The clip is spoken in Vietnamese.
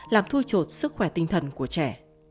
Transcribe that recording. làm thui chột sức khỏe tinh thần của trẻ